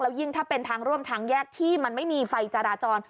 ยิ่งถ้าเป็นทางร่วมทางแยกที่มันไม่มีไฟจราจร